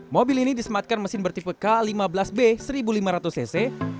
mobil ini disematkan mesin bertipe k lima belas b seribu lima ratus cc